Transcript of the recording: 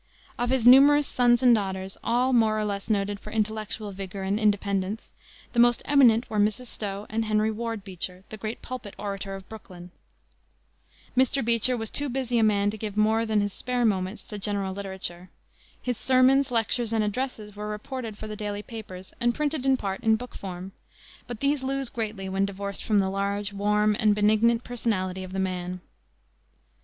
Of his numerous sons and daughters, all more or less noted for intellectual vigor and independence, the most eminent were Mrs. Stowe and Henry Ward Beecher, the great pulpit orator of Brooklyn. Mr. Beecher was too busy a man to give more than his spare moments to general literature. His sermons, lectures, and addresses were reported for the daily papers and printed in part in book form; but these lose greatly when divorced from the large, warm, and benignant personality of the man.